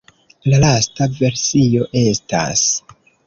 La lasta versio estas.